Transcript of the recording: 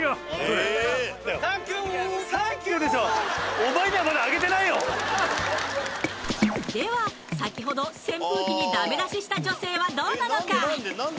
おおっでは先ほど扇風機にダメ出しした女性はどうなのか？